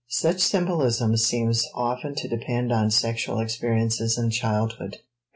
Such symbolism seems often to depend on sexual experiences in childhood.